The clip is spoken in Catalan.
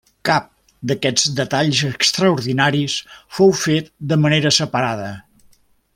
Cap d'aquests detalls extraordinaris fou fet de manera separada.